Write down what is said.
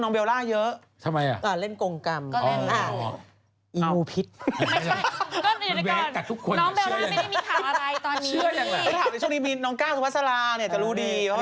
เท่าที่ถามตอนนี้มีน้องก้าซะวัสลาร์จะรู้ดี